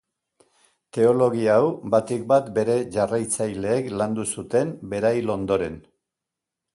Teologia hau batik-bat bere jarraitzaileek landu zuten bera hil ondoren.